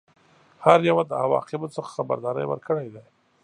هر یوه د عواقبو څخه خبرداری ورکړی دی.